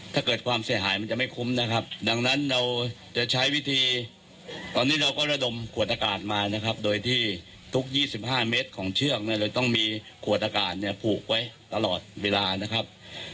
ถ้าเกิดความเสียหายมันจะไม่คุ้มนะครับ